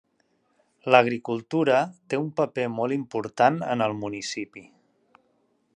L'agricultura té un paper molt important en el municipi.